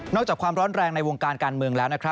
อกจากความร้อนแรงในวงการการเมืองแล้ว